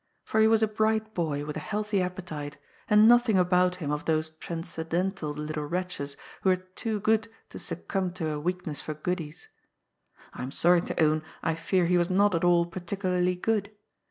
For he was a bright boy with a healthy appetite, and nothing about him of those transcendental little wretches who are too good to succumb to a weakness for goodies. I am sorry to own I fear he was not at all particularly good.